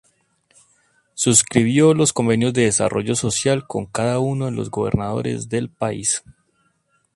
Suscribió los Convenios de Desarrollo Social con cada uno de los Gobernadores del país.